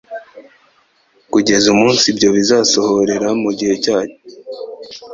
kugeza umunsi ibyo bizasohorera mu gihe cyabyo."